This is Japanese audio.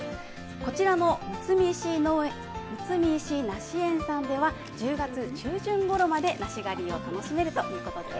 こちらのむつみ石井梨園さんでは、１０月中旬ごろまで梨狩りを楽しめるということです。